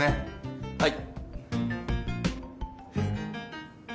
はい！